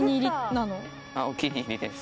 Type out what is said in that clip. お気に入りです。